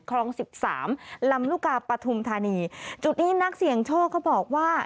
ครอง๑๓ลำลุกาปทุมธานีจุดนี้นักเสียงโชคเขาบอกว่า